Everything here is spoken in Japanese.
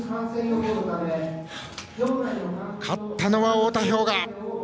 勝ったのは太田彪雅。